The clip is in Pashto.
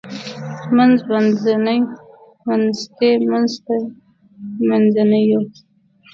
منځ منځنۍ منځني منځتی منځته منځنيو